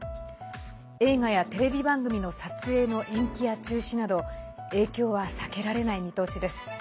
映画やテレビ番組の撮影の延期や中止など影響は避けられない見通しです。